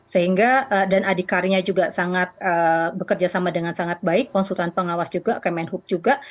sehingga dan adikarya juga sangat bekerja sama dengan sangat baik konsultan pengawas juga kemenhub juga